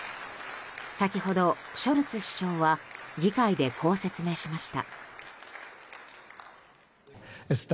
先ほど、ショルツ首相は議会でこう説明しました。